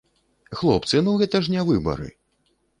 Хлопцы, ну гэта ж не выбары!